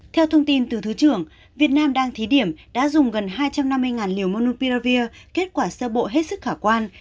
theo thông tin từ thứ trưởng việt nam đang thí điểm đã dùng gần hai trăm năm mươi liều monumpiravir kết quả sơ bộ hết sức khả quan